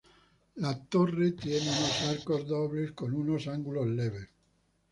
La torre tiene unos arcos dobles con unos ángulos leves.